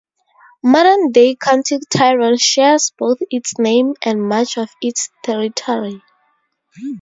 Modern day County Tyrone shares both its name and much of its territory.